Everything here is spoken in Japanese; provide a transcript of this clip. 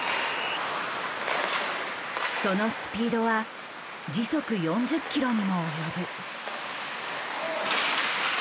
そのスピードは時速４０キロにも及ぶ。